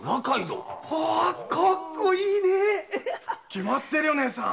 きまってるよ姐さん。